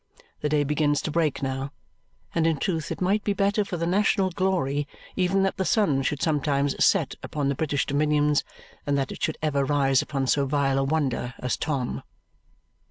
The day begins to break now; and in truth it might be better for the national glory even that the sun should sometimes set upon the British dominions than that it should ever rise upon so vile a wonder as Tom.